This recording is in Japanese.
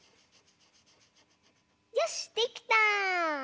よしっできた！